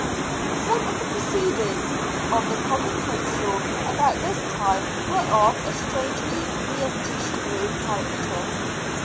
Some of the proceedings of the Common Council about this time were of a strangely reactionary character.